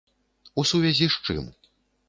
У сувязі з чым?